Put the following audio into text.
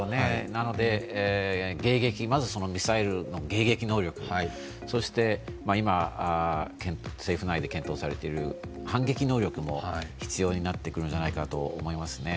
なのでまずミサイルの迎撃能力、そして今、政府内で検討されている反撃能力も必要になってくるんじゃないかと思いますね。